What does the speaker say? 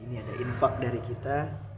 ini ada infak dari kita